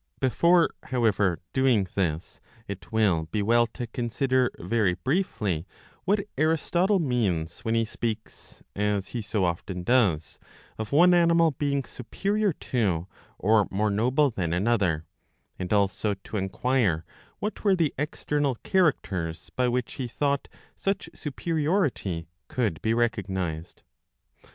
Before, however, doing this, it will be well to consider very briefly what Aristotle means when he speaks, as he so often does, of one animal being superior to or more noble than another ; and also to enquire what were the external characters by which he thought such superiority could be recognised.